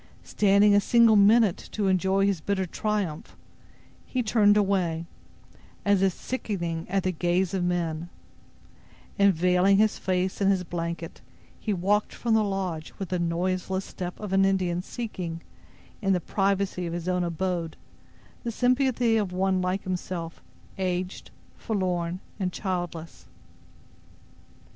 Standing a single minute to enjoy his bitter triumph, he turned away, as if sickening at the gaze of men, and, veiling his face in his blanket, he walked from the lodge with the noiseless step of an Indian seeking, in the privacy of his own abode, the sympathy of one like himself, aged, forlorn and childless.